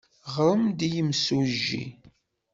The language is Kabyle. Ɣremt-d i yimsujji.